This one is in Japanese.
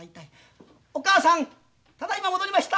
「お母さんただいま戻りました。